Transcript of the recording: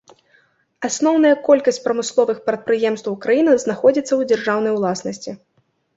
Асноўная колькасць прамысловых прадпрыемстваў краіны знаходзіцца ў дзяржаўнай уласнасці.